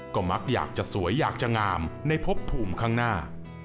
ก็มักอยากจะสวยอยากจะงามในพบภูมิข้างหน้า